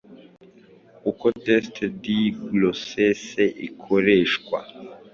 uko test de grossesse ikoreshwa